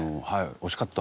惜しかった。